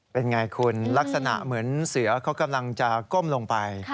เป็นไงคุณลักษณะเหมือนเสือเขากำลังจะก้มลงไป